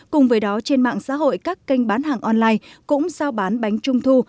cùng với đó trên mạng xã hội các kênh bán hàng online cũng giao bán bánh trung thu